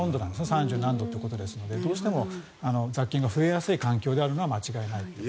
３０何度ということなのでどうしても雑菌が増えやすい環境であるのは間違いないと思います。